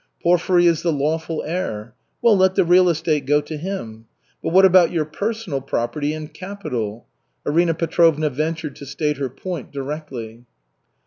Porfiry is the lawful heir. Well, let the real estate go to him. But what about your personal property and capital?" Arina Petrovna ventured to state her point directly.